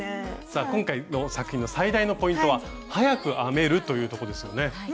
さあ今回の作品の最大のポイントは早く編めるというとこですよね。